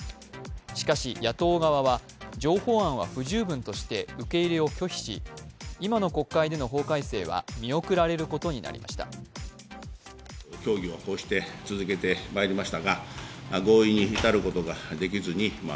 しかし野党側は譲歩案は不十分として受け入れを拒否し、今の国会での法改正は見送られることになりました。